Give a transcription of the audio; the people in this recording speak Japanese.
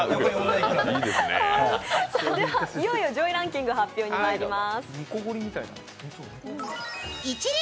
いよいよ上位ランキング発表になります。